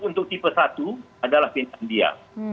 untuk tipe satu adalah pindah dia